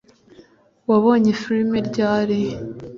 Wabonye film ryari